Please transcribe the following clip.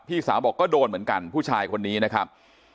สาวบอกก็โดนเหมือนกันผู้ชายคนนี้นะครับ